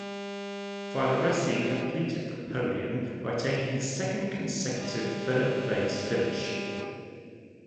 Villoresi completed the podium by taking his second consecutive third-place finish.